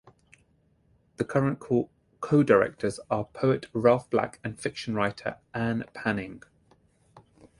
The current co-directors are poet Ralph Black and fiction writer Anne Panning.